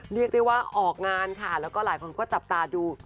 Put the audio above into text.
เรียกได้ว่าออกงานค่ะแล้วก็หลายคนก็จับตาดู